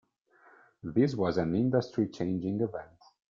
This was an industry-changing event.